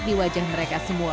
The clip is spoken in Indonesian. tapi wajah mereka semua